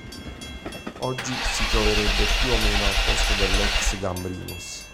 Oggi si troverebbe più o meno al posto dell'ex-Gambrinus.